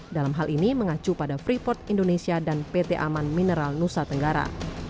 dalam hal ini mengacu pada freeport indonesia dan pt aman mineral nusa tenggara